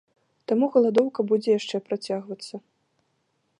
Таму галадоўка будзе яшчэ працягвацца.